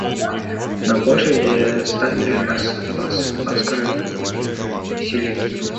На площади ставили наскоро виселицу.